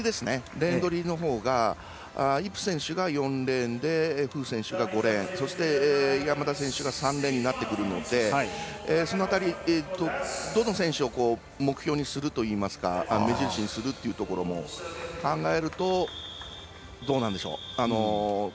レーンどりのほうがイップ選手が４レーン馮雅竹選手が５レーンそして山田選手が３レーンになってくるのでその辺り、どの選手を目標にするといいますか目印にするかも考えるとどうなんでしょう。